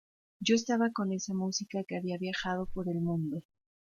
Yo estaba con esa música que había viajado por el mundo.